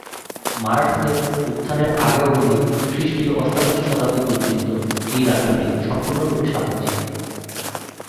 মারাঠাদের উত্থানের আগে অবধি খ্রিস্টীয় অষ্টাদশ শতাব্দী পর্যন্ত এই রাজ্যটি সম্পূর্ণরূপে স্বাধীন ছিল।